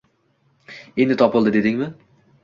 Endi topildi, dedingmi